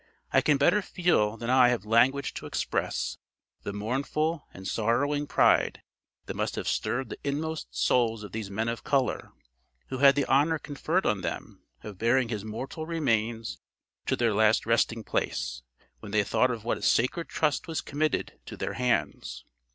I can better feel than I have language to express the mournful and sorrowing pride that must have stirred the inmost souls of those men of color, who had the honor conferred on them of bearing his mortal remains to their last resting place, when they thought of what a sacred trust was committed to their hands.